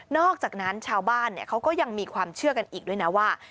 อกจากนั้นชาวบ้านเขาก็ยังมีความเชื่อกันอีกด้วยนะว่า